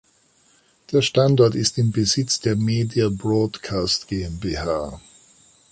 Der Standort ist im Besitz der Media Broadcast GmbH.